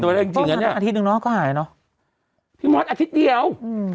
ได้จริงจริงอ่ะเนี้ยอาทิตย์หนึ่งเนอะก็หายเนอะพี่มดอาทิตย์เดียวอืม